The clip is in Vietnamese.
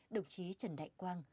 đồng chí trần đại quang